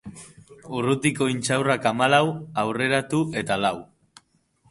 Urrutiko intxaurrak hamalau, hurreratu eta lau.